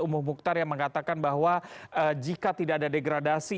umuh mukhtar yang mengatakan bahwa jika tidak ada degradasi